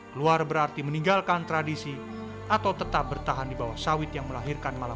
keluar berarti meninggalkan tradisi atau tetap bertahan di bawah sawit yang melahirkan masalah